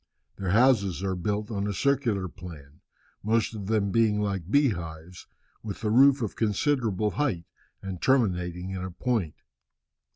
Their houses are built on a circular plan, most of them being like bee hives, with the roof of considerable height, and terminating in a point.